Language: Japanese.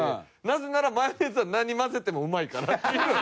なぜならマヨネーズは何混ぜてもうまいからっていう。